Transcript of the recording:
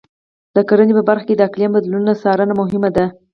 د کرنې په برخه کې د اقلیم بدلونونو څارنه مهمه ده.